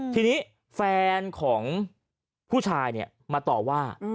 ทีนี้แฟนของผู้ชายมาต่อว่า